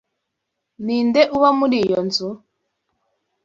Ninde uba muri iyo nzu? (